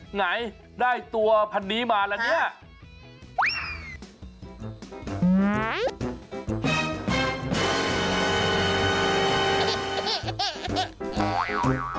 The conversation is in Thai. ไหนได้ตัวพันนี้มาละเนี่ย